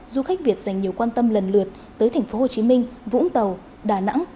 du khách việt dành nhiều quan tâm lần lượt tới thành phố hồ chí minh vũng tàu đà nẵng hà nội và đà lạt